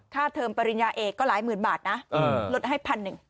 เทอมปริญญาเอกก็หลายหมื่นบาทนะลดให้พันหนึ่ง